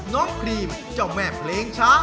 ครีมเจ้าแม่เพลงช้า